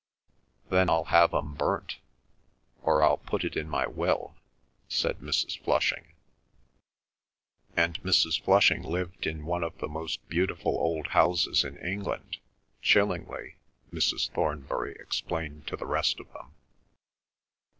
"Then I'll have 'em burnt, or I'll put it in my will," said Mrs. Flushing. "And Mrs. Flushing lived in one of the most beautiful old houses in England—Chillingley," Mrs. Thornbury explained to the rest of them.